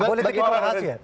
politik itu rahasia